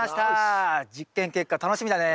実験結果楽しみだね。